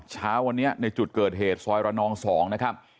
เช้าวันนี้ในจุดเกิดเหตุซอยระนอง๒นะครับ